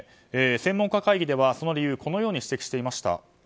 専門家会議では、その理由をこのように指摘していました。